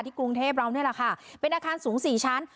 กรุงเทพเรานี่แหละค่ะเป็นอาคารสูง๔ชั้น